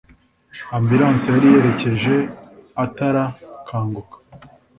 ambulance yari yerekeje atara kanguka ……